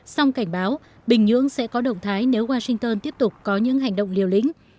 song cảnh báo bình nhưỡng sẽ có động thái nếu washington tiếp tục có những hành động liều lĩnh